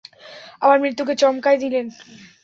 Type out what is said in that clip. আবার মৃত্যুকে চমকায় দিলেন!